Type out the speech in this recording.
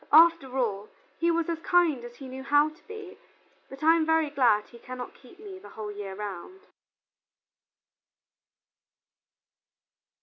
After all, he was as kind as he knew how to be, but I am very glad he cannot keep me the whole year round."